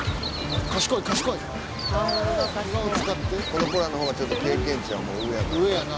この子らの方がちょっと経験値はもう上やから。